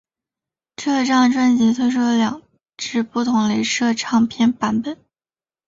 这张专辑推出了两只不同雷射唱片版本。